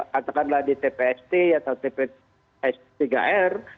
katakanlah di tpst atau tps tiga r